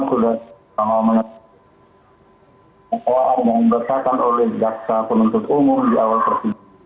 ini sudah lama menyebabkan oleh jaksa penuntut umum di awal persidangan